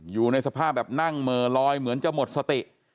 อยู่ในสภาพแบบนั่งเหม่อลอยเหมือนจะหมดสติ